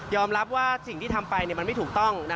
รับว่าสิ่งที่ทำไปมันไม่ถูกต้อง